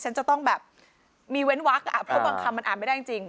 ฉันจะต้องแบบมีเว้นวักอ่ะเพราะบางคำมันอ่านไม่ได้จริง